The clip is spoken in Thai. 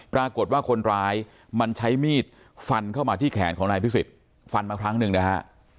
ปรากฏว่าคนร้ายมันใช้มีดฟันเข้ามาที่แขนของนายพิสิทธิ์ฟันมาครั้งหนึ่งนะฮะ